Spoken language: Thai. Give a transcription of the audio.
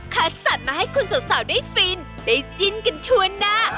คัดสรรมาให้คุณสาวได้ฟินได้จิ้นกันทั่วหน้า